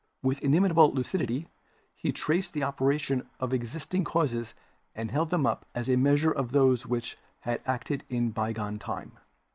With inimitable lucidity he traced the operation of exist ing causes and held them up as the measure of those which have acted in bygone time.